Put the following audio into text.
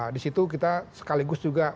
di situ kita sekaligus juga